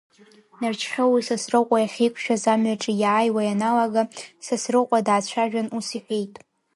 Нарџьхьоуи Сасрыҟәеи ахьеиқәшәаз амҩаҿы иааиуа ианалага, Сасрыҟәа даацәажәан, ус иҳәеит…